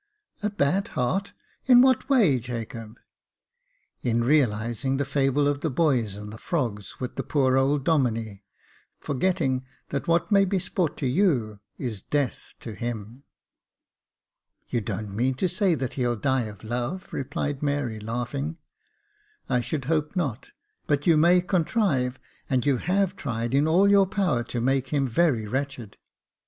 " A bad heart ! in what way, Jacob ?"" In realising the fable of the boys and the frogs with the poor old Domine, forgetting that what may be sport to you is death to him." Jacob Faithful 247 You don't mean to say that he'll die of love," replied Mary, laughing. *'I should hope not: but you may contrive, and you have tried all in your power, to make him very wretched."